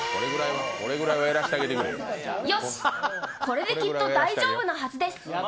よし、これできっと大丈夫なはずです。